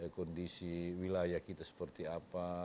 kondisi wilayah kita seperti apa